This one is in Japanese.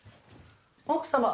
奥様。